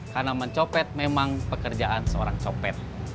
karena mencopet memang pekerjaan seorang copet